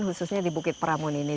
khususnya di bukit pramun ini